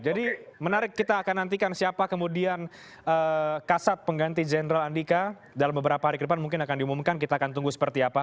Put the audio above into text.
jadi menarik kita akan nantikan siapa kemudian kasat pengganti jendral adhika dalam beberapa hari ke depan mungkin akan diumumkan kita akan tunggu seperti apa